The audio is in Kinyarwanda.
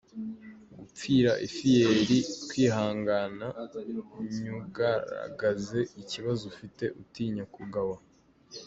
Gupfira ifiyeri” : kwihangana nyugaragaze ikibazo ufite utinya kugawa.